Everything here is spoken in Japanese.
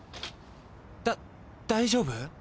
だ大丈夫？